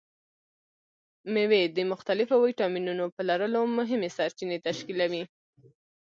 مېوې د مختلفو ویټامینونو په لرلو مهمې سرچینې تشکیلوي.